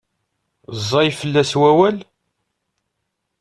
Ẓẓay fell-as wawal?